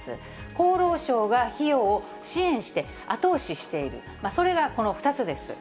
厚労省が費用を支援して後押ししている、それがこの２つです。